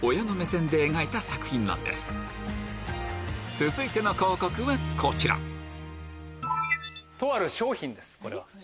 続いての広告はこちらとある商品です。